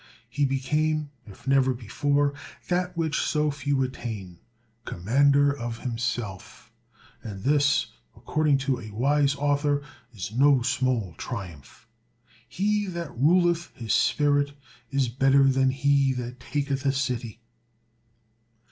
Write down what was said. He became, if never before, that which so few attain, "commander of himself;" and this, according to a wise author, is no small triumph. "He that ruleth his spirit is better than he that taketh a city."